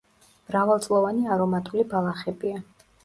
მრავალწლოვანი არომატული ბალახებია.